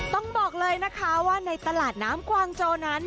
ต้องบอกเลยนะคะว่าในตลาดน้ำกวางโจนั้น